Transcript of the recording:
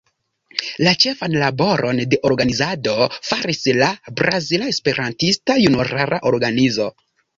La ĉefan laboron de organizado faris la Brazila Esperantista Junulara Organizo.